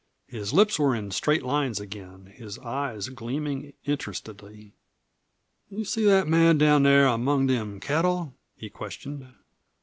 His lips were in straight lines again, his eyes gleaming interestedly. "You see that man down there among them cattle?" he questioned.